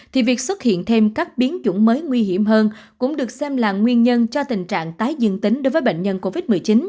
thì việc xuất hiện thêm các biến chủng mới nguy hiểm hơn cũng được xem là nguyên nhân cho tình trạng tái dương tính đối với bệnh nhân covid một mươi chín